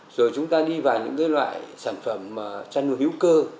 rồi chúng ta đi vào những cái loại sản phẩm chăn hữu cơ